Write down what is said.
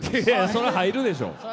それは入るでしょう。